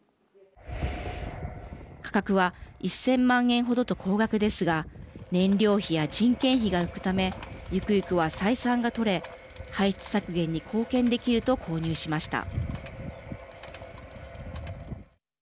価格は１０００万円程と高額ですが燃料費や人件費が浮くためゆくゆくは採算がとれ排出削減に貢献できると購入しました。